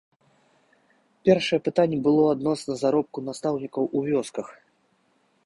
Першае пытанне было адносна заробку настаўнікаў у вёсках.